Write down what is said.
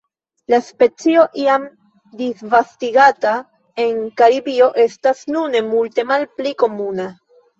La specio, iam disvastigata en Karibio, estas nune multe malpli komuna.